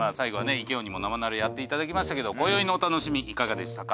イケ王にも生ナレやっていただきましたけど今宵のお愉しみいかがでしたか？